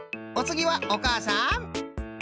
おつぎはおかあさん。